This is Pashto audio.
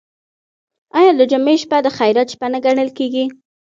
آیا د جمعې شپه د خیرات شپه نه ګڼل کیږي؟